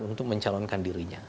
untuk mencalonkan dirinya